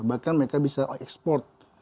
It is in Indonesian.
bahkan mereka bisa ekspor